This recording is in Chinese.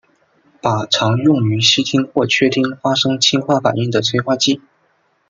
钯常用于烯烃或炔烃发生氢化反应的催化剂。